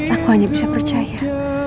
aku hanya bisa percaya